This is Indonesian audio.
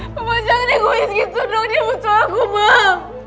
mama jangan dengerin segitu dong dia butuh aku maa